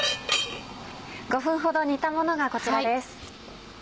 ５分ほど煮たものがこちらです。